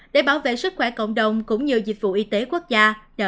để bảo vệ sức khỏe cộng đồng cũng như dịch vụ y tế quốc gia